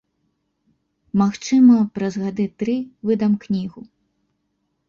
Магчыма, праз гады тры выдам кнігу.